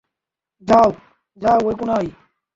যাও, যাও, ঐ কোনায়।